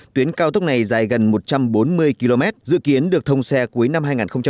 tuyến cao tốc này dài gần một trăm bốn mươi km dự kiến được thông xe cuối năm hai nghìn hai mươi